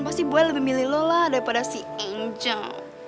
pasti boy lebih milih lo lah daripada si angel